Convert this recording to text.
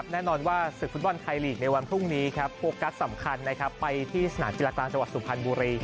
แน่นอนว่าศึกฟุตบอลไทยลีกในวันพรุ่งนี้โฟกัสสำคัญไปที่สนามกีฬากลางจังหวัดสุพรรณบุรี